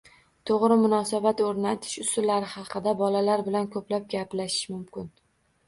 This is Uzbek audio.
To‘g‘ri munosabat o‘rnatish usullari haqida bolalar bilan ko‘plab gaplashish mumkin.